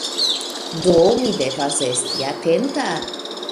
Do, mi devas esti atenta